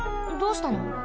どうしたの？